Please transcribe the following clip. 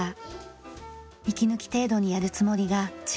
息抜き程度にやるつもりが違いました。